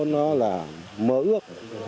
nó là mớ ước